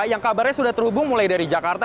yang kabarnya sudah terhubung mulai dari jakarta